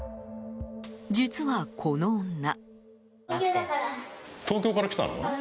実は、この女。